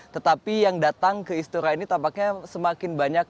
tetapi yang datang ke istora ini tampaknya semakin banyak